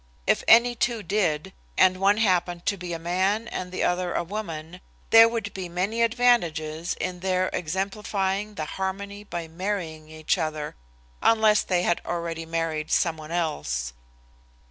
If any two did, and one happened to be a man and the other a woman, there would be many advantages in their exemplifying the harmony by marrying each other unless they had already married some one else.